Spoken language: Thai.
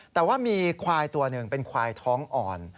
แต่ว่ามีควายตัวหนึ่งเป็นควายท้องอ่อน